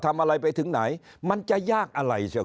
ทำอะไรไปถึงไหนมันจะยากอะไร